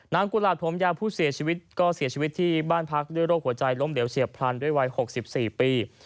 กุหลาดผมยาวผู้เสียชีวิตก็เสียชีวิตที่บ้านพักด้วยโรคหัวใจล้มเหลวเฉียบพลันด้วยวัย๖๔ปี